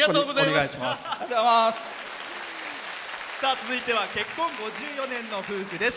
続いては結婚５４年の夫婦です。